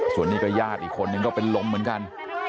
ส่วนนี้ก็ญาติอีกคนนึงก็เป็นลมเหมือนกัน